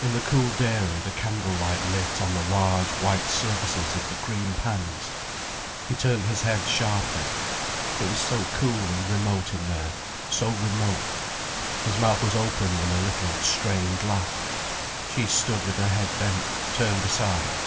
In the cool dairy the candle light lit on the large, white surfaces of the cream pans. He turned his head sharply. It was so cool and remote in there, so remote. His mouth was open in a little, strained laugh. She stood with her head bent, turned aside.